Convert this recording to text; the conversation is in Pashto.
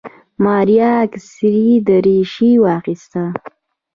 ماريا عسکري دريشي واخيسته.